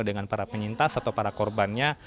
dengan para penyintas atau para korbannya